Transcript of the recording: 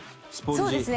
そうですね。